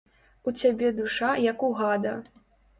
У цябе душа, як у гада.